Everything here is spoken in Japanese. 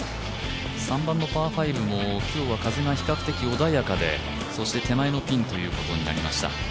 ３番のパー５も今日は風が比較的、穏やかでそして手前のピンということになりました。